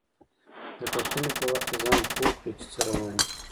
د کتنې په وخت کې ځان پوه کړئ چې څه روان دي.